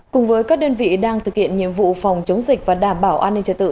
cùng với các đơn vị đang thực hiện nhiệm vụ phòng chống dịch và đảm bảo an ninh trật tự